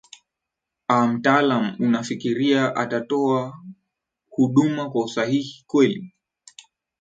a mtaalam unafikiria atatoa hunduma kwa usahihi kweli